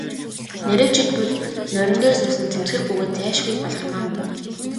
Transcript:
Нарийвчилбал, морин дээр суусан нь цэмцгэр бөгөөд зайлшгүй Балгармаа мөн.